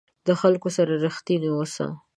د خلکو سره رښتینی اوسه.